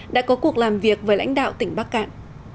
đã có cuộc làm việc với lãnh đạo tỉnh bắc cạn